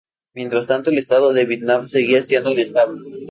Mientras tanto el Estado de Vietnam seguía siendo inestable.